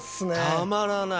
たまらない！